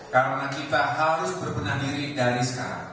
karena kita harus berbenah diri dari sekarang